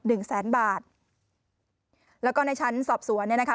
หนึ่งแสนบาทแล้วก็ในชั้นสอบสวนเนี่ยนะคะ